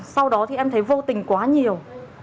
sau đó thì em thấy vô tình quá nhiều